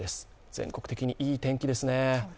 全国的にいい天気ですね。